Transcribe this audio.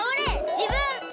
じぶん！